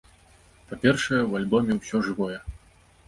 Па-першае, у альбоме ўсё жывое.